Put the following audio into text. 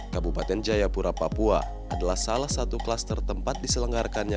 kabupaten jayapura papua adalah salah satu kluster tempat diselenggarkannya